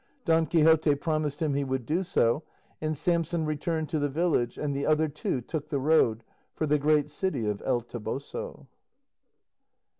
Don Quixote promised him he would do so, and Samson returned to the village, and the other two took the road for the great city of El Toboso.